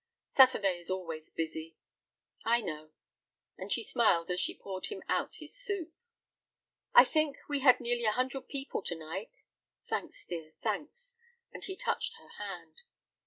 "Saturday is always busy." "I know," and she smiled as she poured him out his soup. "I think we had nearly a hundred people to night. Thanks, dear, thanks," and he touched her hand.